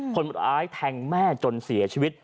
คนร้ายแทงแม่จนเสียชีวิต